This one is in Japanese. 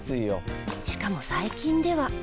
しかも最近では